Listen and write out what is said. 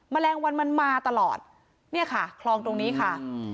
แมลงวันมันมาตลอดเนี่ยค่ะคลองตรงนี้ค่ะอืม